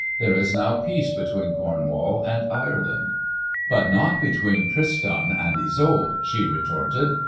"There is now peace between Cornwall and Ireland." "But not between Tristan and Isolde!" she retorted.